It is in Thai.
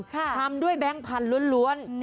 ทำด้วยแบงค์พันธุ์ล้วน